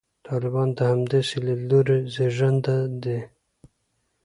طالبان د همدغسې لیدلوري زېږنده دي.